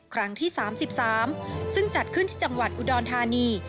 ครั้งที่๓๓ซึ่งจัดขึ้นที่จังหวัดอุดรธานี